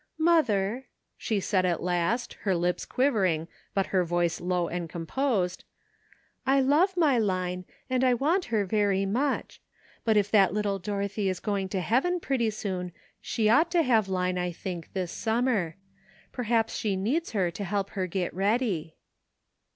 " Mother," she said at last, her lips quivering, but her voice low and composed, "I love my Line, and I want her very much ; but if that little Dorothy is going to Heaven pretty soon she ought to have Line, I think, this summer. Perhaps she needs her to help her get ready."